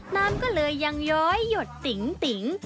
น้ำก็เลยยังย้อยหยดติ๊ง